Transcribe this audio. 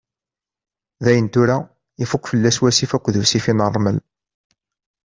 Dayen tura ifuk fell-as wasif akked ussifi n ṛmel.